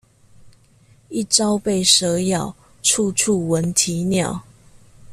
一朝被蛇咬，處處聞啼鳥